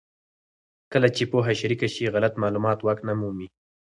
کله چې پوهه شریکه شي، غلط معلومات واک نه مومي.